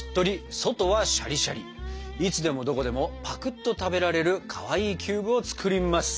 いつでもどこでもぱくっと食べられるかわいいキューブを作ります！